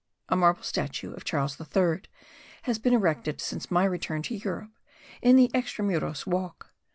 A marble statue of Charles III has been erected since my return to Europe, in the extra muros walk.